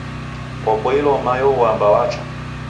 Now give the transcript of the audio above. Kwapoilo mayo wamba wacha